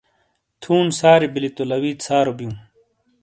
تھُون سارِی بِیلی تو لَوِیت سارو بِیوں۔